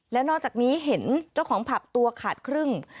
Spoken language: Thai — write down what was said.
และนอกจากนี้เห็นเจ้าของผับตัวขาดครึ่ง